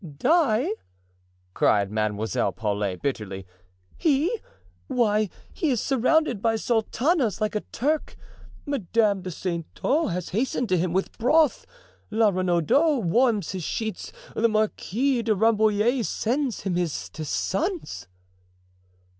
"Die!" cried Mademoiselle Paulet, bitterly, "he! Why, he is surrounded by sultanas, like a Turk. Madame de Saintot has hastened to him with broth; La Renaudot warms his sheets; the Marquise de Rambouillet sends him his tisanes."